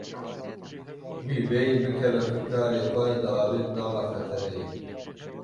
Wî bêyî bikeve fikarê xwe diavêt nava xetereyê.